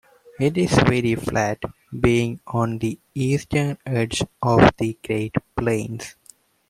It is very flat, being on the eastern edge of the Great Plains.